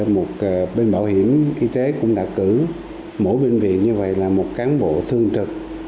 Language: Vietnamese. một bên bảo hiểm y tế cũng đã cử mỗi bệnh viện như vậy là một cán bộ thương trực